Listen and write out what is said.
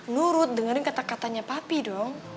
nurut dengerin kata katanya papi dong